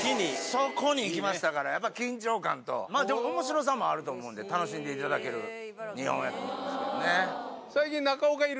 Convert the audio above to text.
そこに行きましたからやっぱ緊張感とでも面白さもあると思うんで楽しんでいただける２本やと思いますけどね。